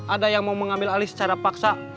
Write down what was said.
ada yang mau mengambil alih secara paksa